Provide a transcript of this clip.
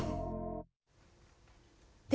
で